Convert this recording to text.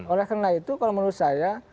oleh karena itu kalau menurut saya